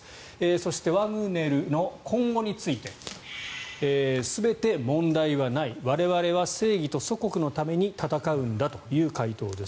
そして、ワグネルの今後について全て問題はない我々は正義と祖国のために戦うんだという回答です。